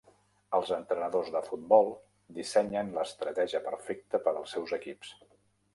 Els entrenadors de futbol dissenyen l'estratègia perfecta per als seus equips.